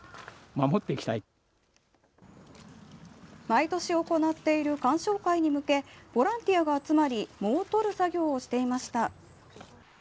毎年行っている観賞会に向けボランティアが集まり藻を取る作業をしていました。